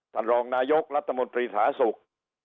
สรองนายกรัฐมนตรีศาสุก